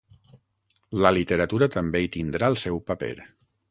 La literatura també hi tindrà el seu paper.